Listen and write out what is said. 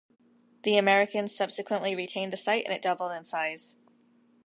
The Americans subsequently retained the site and it doubled in size.